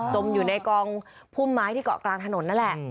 อยู่ในกองพุ่มไม้ที่เกาะกลางถนนนั่นแหละ